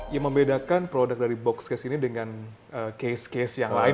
yang membedakan produk dari boxcase ini dengan case case yang lain